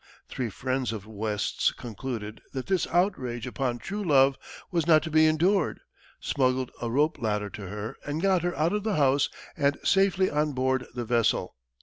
Three friends of West's concluded that this outrage upon true love was not to be endured, smuggled a rope ladder to her, and got her out of the house and safely on board the vessel.